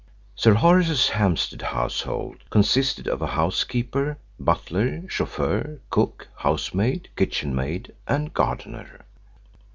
Sir Horace's Hampstead household consisted of a housekeeper, butler, chauffeur, cook, housemaid, kitchenmaid and gardener.